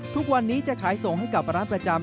ทุกวันนี้จะขายส่งให้กับร้านประจำ